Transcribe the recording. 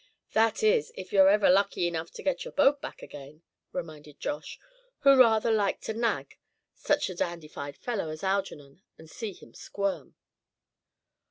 "That is, if ever you're lucky enough to get your boat back again," reminded Josh, who rather like to "nag" such a dandified fellow as Algernon and see him squirm.